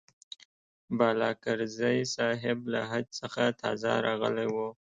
بالاکرزی صاحب له حج څخه تازه راغلی و.